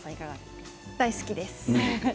大好きです。